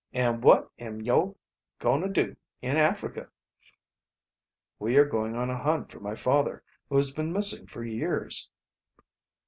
An' what am yo' going to do in Africa?" "We are going on a hunt for my father, who has been missing for years."